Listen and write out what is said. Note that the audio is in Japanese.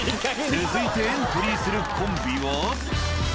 続いてエントリーするコンビは。